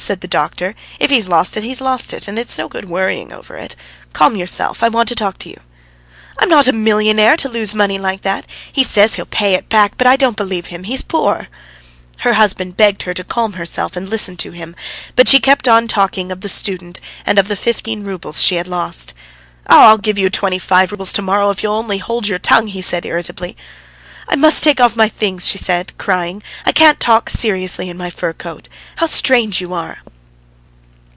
said the doctor. "If he's lost it, he's lost it, and it's no good worrying over it. Calm yourself; I want to talk to you." "I am not a millionaire to lose money like that. He says he'll pay it back, but I don't believe him; he's poor ..." Her husband begged her to calm herself and to listen to him, but she kept on talking of the student and of the fifteen roubles she had lost. "Ach! I'll give you twenty five roubles to morrow if you'll only hold your tongue!" he said irritably. "I must take off my things!" she said, crying. "I can't talk seriously in my fur coat! How strange you are!"